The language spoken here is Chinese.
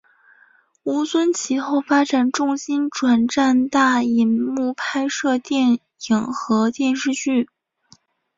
吴尊其后发展重心转战大银幕拍摄电影和电视剧。